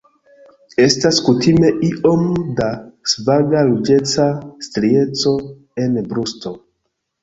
Estas kutime iom da svaga ruĝeca strieco en brusto.